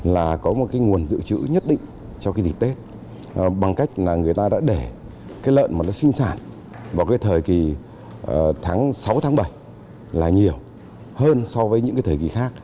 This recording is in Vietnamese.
là có một nguồn dự trữ nhất định cho dịp tết bằng cách người ta đã để lợn sinh sản vào thời kỳ tháng sáu tháng bảy là nhiều hơn so với những thời kỳ khác